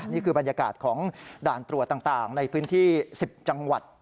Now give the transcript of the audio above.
นี่คือบรรยากาศของด่านตรวจต่างในพื้นที่๑๐จังหวัด